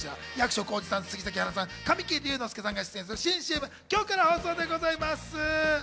こちら役所広司さん、杉咲花さん、神木隆之介さんが出演する新ＣＭ、今日から放送でございます。